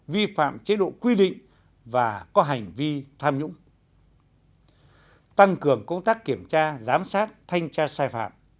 vi phạm chế độ quy định và có hành vi tham nhũng tăng cường công tác kiểm tra giám sát thanh tra sai phạm